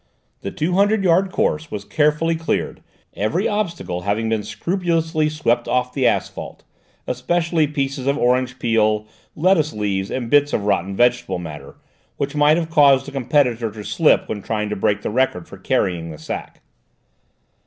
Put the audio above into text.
The two hundred yard course was carefully cleared, every obstacle having been scrupulously swept off the asphalte, especially pieces of orange peel, lettuce leaves and bits of rotten vegetable matter, which might have caused a competitor to slip when trying to break the record for carrying the sack.